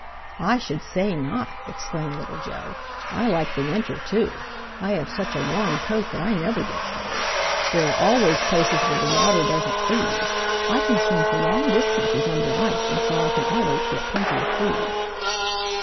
"I should say not," exclaimed Little Joe. "I like the winter, too. I have such a warm coat that I never get cold. There are always places where the water doesn't freeze. I can swim for long distances under ice and so I can always get plenty of food."